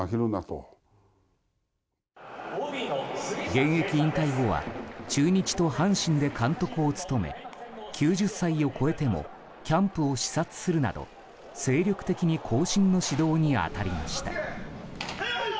現役引退後は中日と阪神で監督を務め９０歳を超えてもキャンプを視察するなど精力的に後進の指導に当たりました。